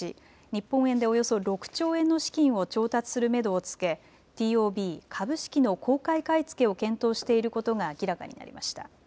日本円でおよそ６兆円の資金を調達するめどをつけＴＯＢ・株式の公開買い付けを検討していることが明らかになりました。